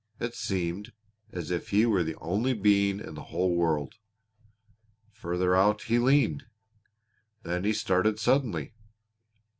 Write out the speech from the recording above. It seemed as if he was the only being in the whole world. Further out he leaned. Then he started suddenly.